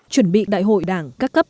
chuẩn bị đại hội đảng các cấp